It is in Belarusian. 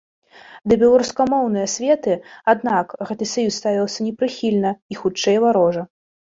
Да беларускамоўнай асветы, аднак, гэты саюз ставіўся непрыхільна і, хутчэй, варожа.